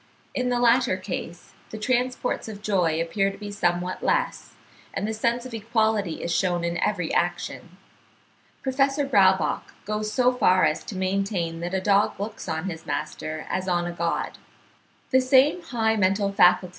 In the latter case the transports of joy appear to be somewhat less, and the sense of equality is shewn in every action. Professor Braubach goes so far as to maintain that a dog looks on his master as on a god. (78. 'Religion, Moral, etc.